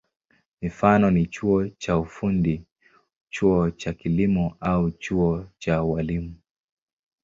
Mifano ni chuo cha ufundi, chuo cha kilimo au chuo cha ualimu.